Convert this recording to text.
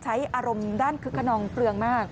ใช้อารมณ์ด้านคึกขนองเปลืองมาก